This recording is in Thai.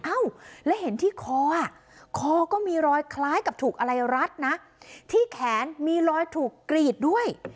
เอ้าแล้วเห็นที่คออ่ะคอก็มีรอยคล้ายกับถูกอะไรรัดนะที่แขนมีรอยถูกกรีดด้วย